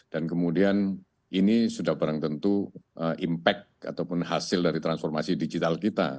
dan kemudian ini sudah barang tentu impact ataupun hasil dari transformasi digital kita